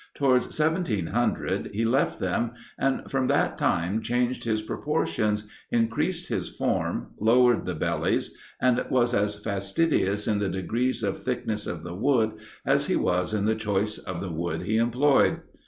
Towards 1700 he left them, and from that time changed his proportions, increased his form, lowered the bellies, and was as fastidious in the degrees of thickness of the wood as he was in the choice of the wood he employed.